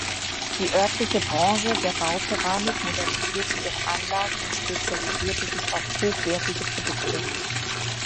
Die örtliche Branche der Baukeramik modernisierte ihre Anlagen und spezialisierte sich auf hochwertigere Produkte.